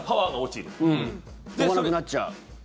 飛ばなくなっちゃう。